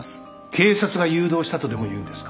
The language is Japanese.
警察が誘導したとでもいうんですか。